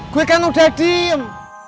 gue kan udah diem